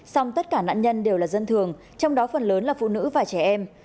song tất cả nạn nhân đều là dân thường trong đó phần lớn là phụ nữ và trẻ em